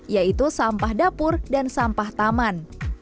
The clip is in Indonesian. yaitu sampah dapur dan sampah taman